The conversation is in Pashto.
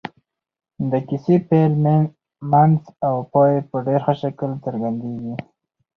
د کيسې پيل منځ او پای په ډېر ښه شکل څرګندېږي.